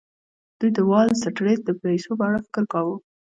دوی د وال سټریټ د پیسو په اړه فکر کاوه